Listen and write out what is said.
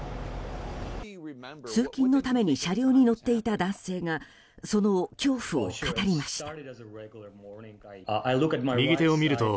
通勤のために車両に乗っていた男性がその恐怖を語りました。